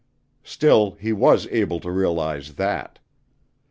Still he was able to realize that.